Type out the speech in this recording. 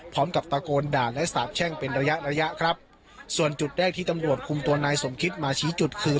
พร้อมกับตะโกนด่าและสาบแช่งเป็นระยะระยะครับส่วนจุดแรกที่ตำรวจคุมตัวนายสมคิดมาชี้จุดคือ